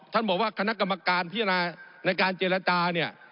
ท่านบอกว่าคณะกรรมการพิจารณาในการเจรจาเนี่ย